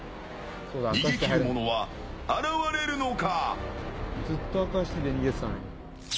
逃げ切る者は現れるのか。